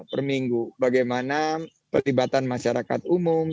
perminggu bagaimana pertibatan masyarakat umum